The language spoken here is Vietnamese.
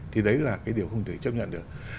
thì đấy là cái điều không thể chấp nhận được